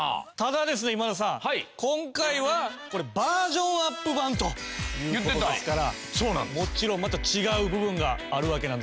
今回はこれバージョンアップ版という事ですからもちろんまた違う部分があるわけなんですよね。